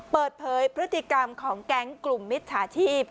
เปิดเผยพฤติกรรมของแก๊งกลุ่มมิจฉาชีพ